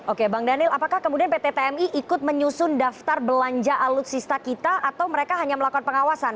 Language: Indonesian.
oke bang daniel apakah kemudian pt tmi ikut menyusun daftar belanja alutsista kita atau mereka hanya melakukan pengawasan